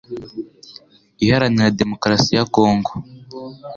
Iharanira Demokarasi ya Congo